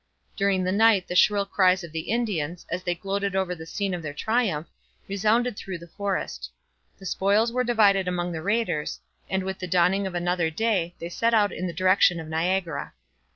During the night the shrill cries of the Indians, as they gloated over the scene of their triumph, resounded through the forest. The spoils were divided among the raiders, and with the dawning of another day they set out in the direction of Niagara.